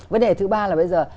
vấn đề thứ ba là bây giờ